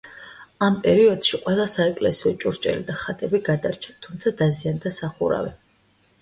ამ პერიოდში ყველა საეკლესიო ჭურჭელი და ხატები გადარჩა, თუმცა დაზიანდა სახურავი.